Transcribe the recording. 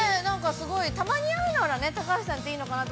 すごい、たまに会うなら、高嶋さんっていいのかなと。